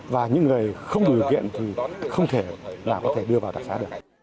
và những người không đủ điều kiện thì không thể đưa vào đặc xá được